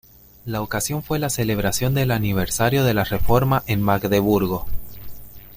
La ocasión fue la celebración del aniversario de la Reforma en Magdeburgo.